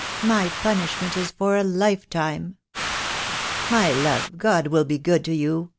My punishment is for a lifetime." "My love, God will be good to you.